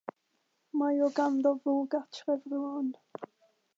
Mae o ganddo fo gartre rŵan.